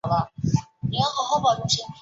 吴郡墓的历史年代为清。